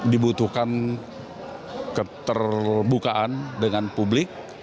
dibutuhkan keterbukaan dengan publik